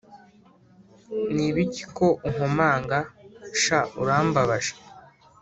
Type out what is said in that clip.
Ni ibiki ko unkomanga? Sha urambabaje.